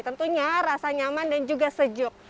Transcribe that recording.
tentunya rasanya aman dan juga sejuk